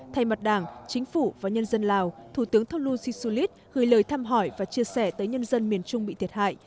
thay mặt đảng chính phủ và nhân dân lào thủ tướng thung lun si su lít gửi lời tham hỏi và chia sẻ tới nhân dân miền trung bị thiệt hại